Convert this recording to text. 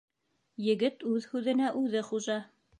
Егет үҙ һүҙенә үҙе хужа.